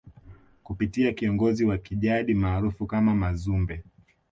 kupitia kiongozi wa kijadi maarufu kama Mazumbe